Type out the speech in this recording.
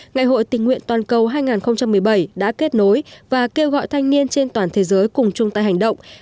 ngày hội tình nguyện toàn cầu hai nghìn một mươi bảy đã kết nối và kêu gọi thanh niên trên toàn thế giới cùng chung tay hành động